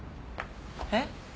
えっ？